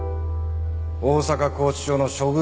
大阪拘置所の処遇